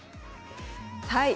はい。